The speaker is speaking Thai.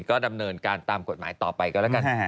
ก็ดำเนินการตามกฎหมายต่อไปก็แล้วกัน